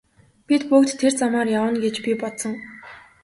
Бид бүгд тэр замаар явна гэж би бодсон.